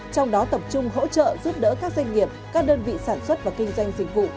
trong đó tập trung hỗ trợ giúp đỡ các doanh nghiệp các đơn vị sản xuất và kinh doanh dịch vụ